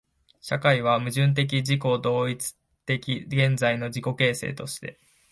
社会は矛盾的自己同一的現在の自己形成として、